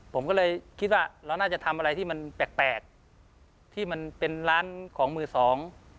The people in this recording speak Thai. ผมก็เลยคิดว่าเราน่าจะทำอะไรที่มันแปลกแปลกที่มันเป็นร้านของมือสอง